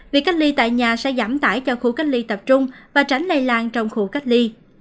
việc cách ly tại nhà sẽ giảm tải cho khu cách ly tập trung và tránh lây lan trong khu cách ly